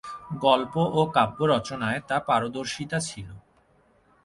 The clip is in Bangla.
গল্প ও কাব্য রচনায় তা পারদর্শিতা ছিল।